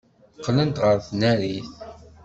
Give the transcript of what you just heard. Qqlent ɣer tnarit.